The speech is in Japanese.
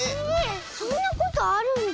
そんなことあるんだ。